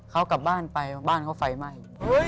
เขากลับบ้านไปบ้านเขาไฟไหม้